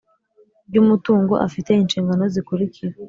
Ry umutungo afite inshingano zikurikira